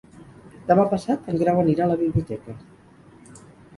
Demà passat en Grau anirà a la biblioteca.